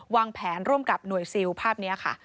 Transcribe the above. วางแผนร่วมกับหน่วยซิลภาพนี้ค่ะ